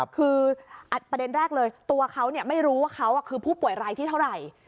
คือประเด็นแรกเลยตัวเขาไม่รู้ว่าเขาคือผู้ป่วยรายที่เท่าไหร่